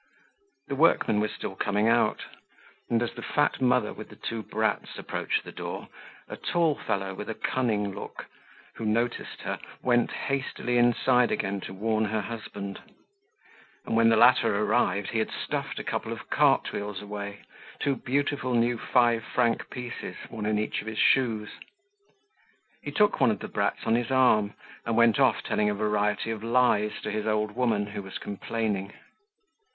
The workmen were still coming out; and as the fat mother with the two brats approached the door, a tall fellow, with a cunning look, who noticed her, went hastily inside again to warn her husband; and when the latter arrived he had stuffed a couple of cart wheels away, two beautiful new five franc pieces, one in each of his shoes. He took one of the brats on his arm, and went off telling a variety of lies to his old woman who was complaining.